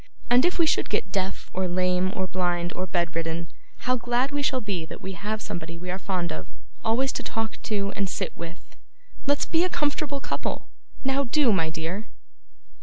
And if we should get deaf, or lame, or blind, or bed ridden, how glad we shall be that we have somebody we are fond of, always to talk to and sit with! Let's be a comfortable couple. Now, do, my dear!